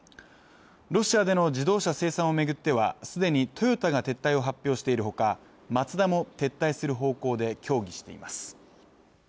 ロシアでの自動車生産を巡ってはすでにトヨタが撤退を発表しているほかマツダも撤退する方向で協議しています